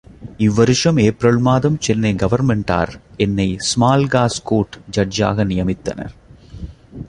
இவ் வருஷம் ஏப்ரல் மாதம் சென்னை கவர்ன்மென்டார் என்னை ஸ்மால் காஸ் கோர்ட் ஜட்ஜாக நியமித்தனர்.